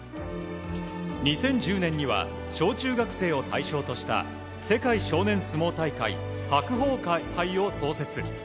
２０１０年には小中学生を対象とした世界少年相撲大会白鵬杯を創設。